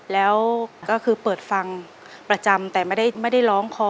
แล้วก็คือเปิดฟังประจำแต่ไม่ได้ร้องคอ